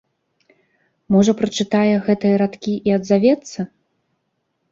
Можа, прачытае гэтыя радкі і адзавецца?